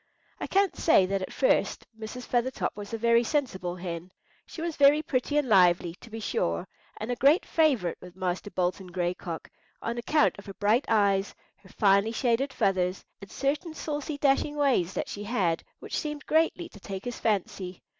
I can't say that at first Mrs. Feathertop was a very sensible hen. She was very pretty and lively, to be sure, and a great favourite with Master Bolton Gray Cock, on account of her bright eyes, her finely shaded feathers, and certain saucy dashing ways that she had which seemed greatly to take his fancy.